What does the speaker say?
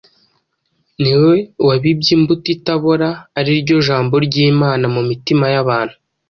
ni we wabibye imbuto itabora (ari ryo jambo ry’imana) mu mitima y’abantu.